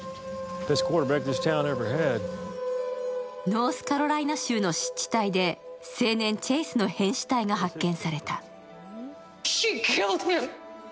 ノースカロライナ州の湿地帯で青年チェイスの変死体が発見された。